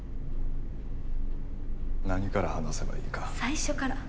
何から話せばいいか。